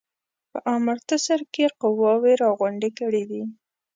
په امرتسر کې قواوي را غونډي کړي دي.